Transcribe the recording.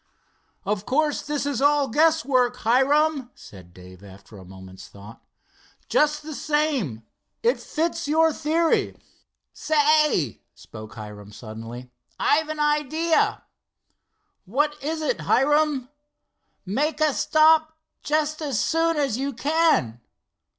"Of course this is all guess work, Hiram," said Dave, after a moment's thought. "Just the same, it fits in to your theory." "Say," spoke Hiram suddenly, "I've an idea." "What is it, Hiram?" "Make a stop just as soon as you can."